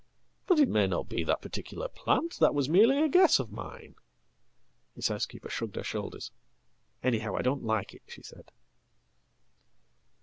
""But it may not be that particular plant. That was merely a guess ofmine."His housekeeper shrugged her shoulders. "Anyhow I don't like it," shesaid.